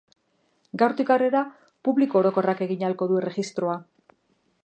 Gaurtik aurrera publiko orokorrak egin ahalko du erregistroa.